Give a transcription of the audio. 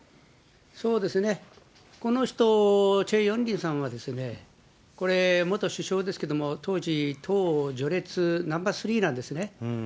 そうですね、この人、チェ・ヨンニムさんはこれ、元首相ですけども、当時、党序列ナンバー３なんですね。